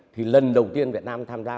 thì lần đầu tiên việt nam tham gia